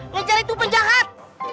ngejar itu penjahat